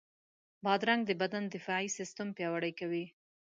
بادرنګ د بدن دفاعي سیستم پیاوړی کوي.